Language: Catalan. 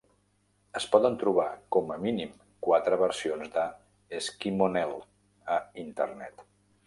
Es poden trobar com a mínim quatre versions de "Eskimo Nell" a internet.